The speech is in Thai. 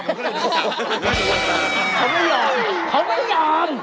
เขาไม่ยอม